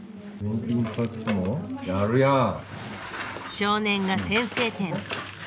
少年が先制点。